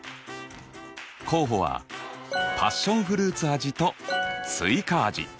候補はパッションフルーツ味とスイカ味。